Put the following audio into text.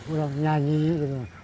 udah nyanyi gitu